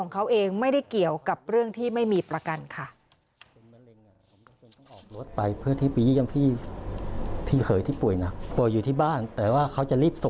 กับเรื่องที่ไม่มีประกันค่ะ